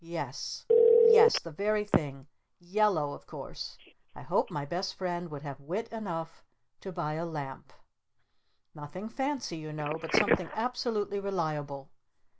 Yes Yes! The very thing! Yellow of course! I hope my Best Friend would have wit enough to buy a Lamp! Nothing fancy you know but something absolutely reliable.